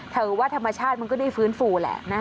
ถือว่าธรรมชาติมันก็ได้ฟื้นฟูแหละนะ